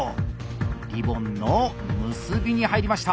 リボンの結びに入りました！